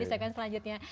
di segian selanjutnya